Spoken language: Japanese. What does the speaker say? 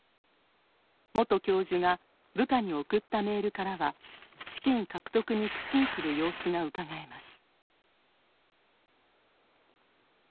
元教授が部下に送ったメールからは資金獲得に苦心する様子がうかがえます。